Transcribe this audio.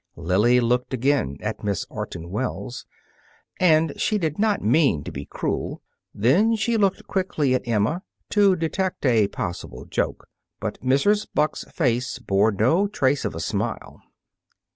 Lily looked again at Miss Orton Wells, and she did not mean to be cruel. Then she looked quickly at Emma, to detect a possible joke. But Mrs. Buck's face bore no trace of a smile.